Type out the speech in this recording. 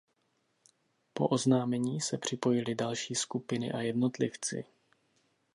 Po oznámení se připojily další skupiny a jednotlivci.